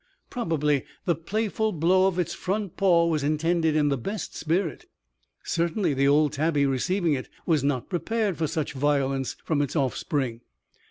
Probably the playful blow of its front paw was intended in the best spirit. Certainly the old tabby, receiving it, was not prepared for such violence from its offspring.